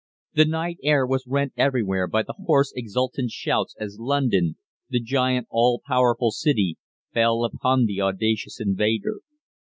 "The night air was rent everywhere by the hoarse, exultant shouts as London the giant, all powerful city fell upon the audacious invader.